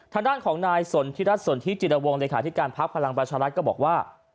ทำด้านของนายสนทิรัศน์สนทิรวงิริษัทพภพหลังบัชรัชน์ก็บอกว่า